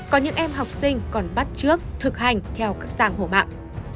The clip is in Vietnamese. có những em học sinh còn bắt trước thực hành theo các giang hổ mạng